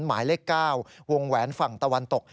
หมายเลข๙วงแหวนฝั่งตะวันตก